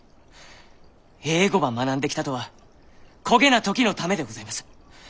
英語ば学んできたとはこげな時のためでございます。